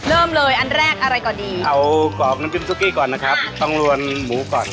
เริ่มเลยอันแรกอะไรก็ดีเอากรอบน้ำจิ้มซุกี้ก่อนนะครับต้องลวนหมูก่อน